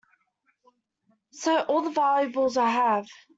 So, all the valuables I have.